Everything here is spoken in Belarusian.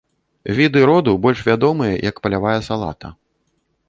Віды роду больш вядомыя як палявая салата.